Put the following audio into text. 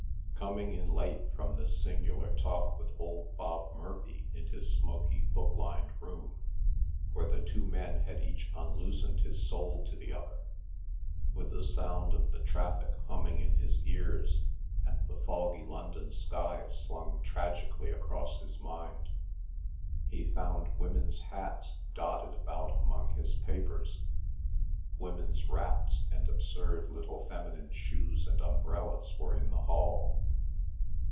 ... 'Coming in late from this singular talk with old Bob Murphy in his smoky, book lined room, where the two men had each unloosened his soul to the other, with the sound of the traffic humming in his ears, and the foggy London sky slung tragically across his mind ... he found women's hats dotted about among his papers. Women's wraps and absurd little feminine shoes and umbrellas were in the hall.